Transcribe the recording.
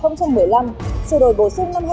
năm hai nghìn một mươi năm sự đổi bổ sung